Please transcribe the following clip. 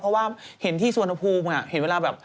เพราะว่าเห็นที่สวนภูมิเห็นเวลาแบบ